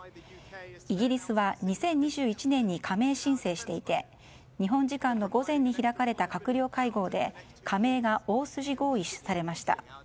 イギリスは２０２１年に加盟申請していて日本時間の午前に開かれた閣僚会合で加盟が大筋合意されました。